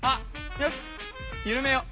よしゆるめよう。